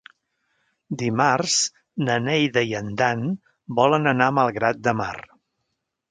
Dimarts na Neida i en Dan volen anar a Malgrat de Mar.